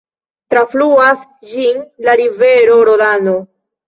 Trafluas ĝin la rivero Rodano.